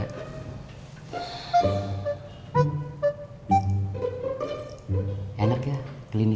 kita lah fears ini